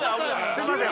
すいません